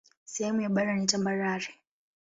Sehemu ya bara ni tambarare.